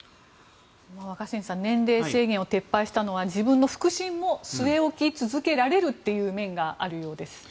若新さん年齢制限を撤廃したのは自分の腹心も据え置き続けられるという面があるようです。